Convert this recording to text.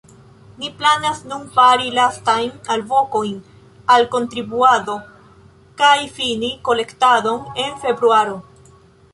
Ni planas nun fari lastajn alvokojn al kontribuado kaj fini kolektadon en februaro.